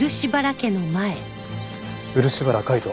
漆原海斗